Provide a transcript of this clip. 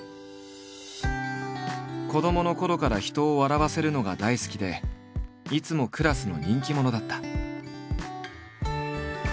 子どものころから人を笑わせるのが大好きでいつもクラスの人気者だった。